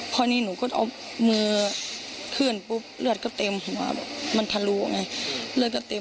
พอนี้หนูก็เอามือขึ้นปุ๊บเลือดก็เต็มหัวมันทะลูไง